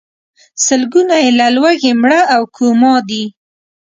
سلګونه یې له لوږې مړه او کوما دي.